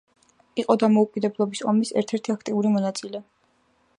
იყო დამოუკიდებლობის ომის ერთ-ერთი აქტიური მონაწილე.